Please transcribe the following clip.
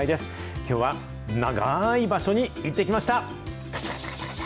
きょうは長ーい場所に行ってきました。